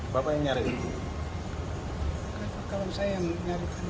bapak yang nyari